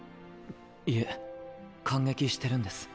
いえ感激してるんです。